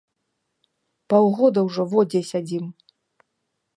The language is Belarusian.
Паўгода ўжо во дзе сядзім!